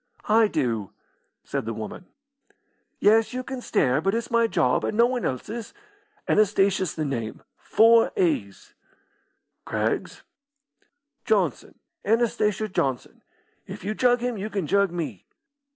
"I do," said the woman. "Yes, you can stare, but it's my job, and no one else's. Anastasia's the name four a's." "Craggs?" "Johnson Anastasia Johnson. If you jug him you can jug me."